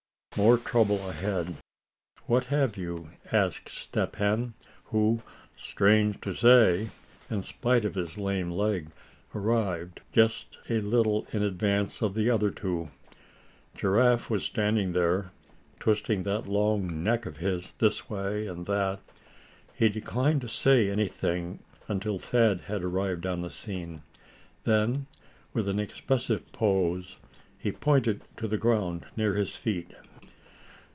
MORE TROUBLE AHEAD. "What have you?" asked Step Hen, who, strange to say, in spite of his lame leg, arrived just a little in advance of the other two. Giraffe was standing there, twisting that long neck of his this way and that. He declined to say anything until Thad had arrived on the scene. Then, with an expressive pose, he pointed to the ground near his feet.